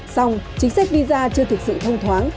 xong chính sách visa chưa thực sự thông thoáng